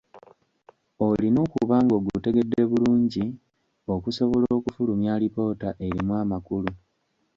Olina okuba ng’ogutegedde bulungi okusobola okufulumya alipoota erimu amakulu.